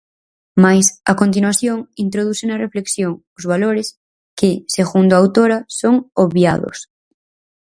Mais, a continuación, introduce na reflexión "os valores", que, segundo a autora "son obviados".